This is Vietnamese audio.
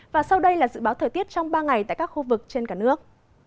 và sau đây là dự báo thời tiết trong ba ngày tại các khu vực trên cả nước